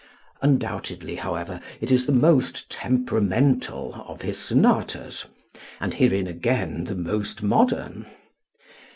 Undoubtedly, however, it is the most "temperamental" of his sonatas and herein again the most modern.